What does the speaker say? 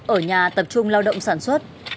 ở nhà tập trung lao động sản xuất